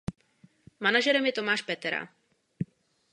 Manažerem je Tomáš Petera.